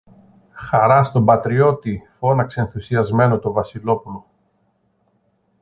Χαρά στον πατριώτη φώναξε ενθουσιασμένο το Βασιλόπουλο.